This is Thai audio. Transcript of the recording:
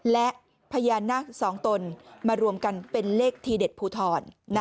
และพญานาคสองตนมารวมกันเป็นเลขทีเด็ดภูทร